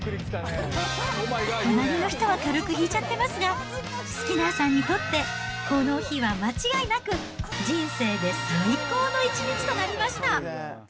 隣の人は軽く引いちゃってますが、スキナーさんにとって、この日は間違いなく人生で最高の一日となりました。